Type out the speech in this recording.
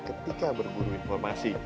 ketika berburu informasi